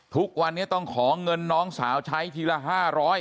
ทุกวันนี้ต้องขอเงินน้องสาวใช้ทีละ๕๐๐บาท